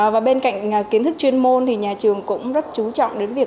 và bên cạnh kiến thức chuyên môn thì nhà trường cũng rất chú trọng đến việc